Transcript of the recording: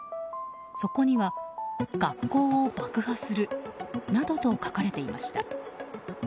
そこには学校を爆破するなどと書かれていました。